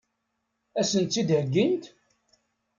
Ad sent-tt-id-heggint?